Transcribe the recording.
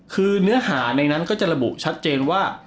คือเนื้อหาในนั้นก็จะระบุชัดเจนว่า